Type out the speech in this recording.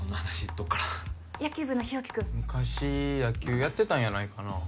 どっから野球部の日沖君昔野球やってたんやないかな